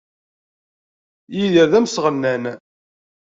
Yidir d amesɣennan.